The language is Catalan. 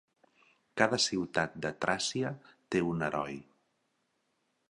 Cada ciutat de Tràcia té un heroi.